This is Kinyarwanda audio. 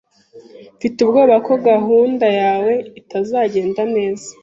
Mfite ubwoba ko gahunda yawe itazagenda neza.